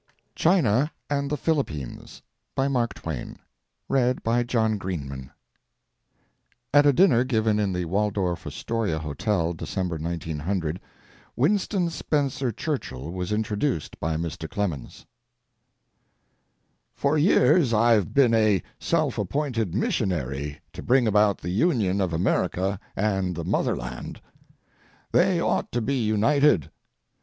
CHINA AND THE PHILIPPINES AT A DINNER GIVEN IN THE WALDORF ASTORIA HOTEL, DECEMBER, 1900 Winston Spencer Churchill was introduced by Mr. Clemens. For years I've been a self appointed missionary to bring about the union of America and the motherland. They ought to be united.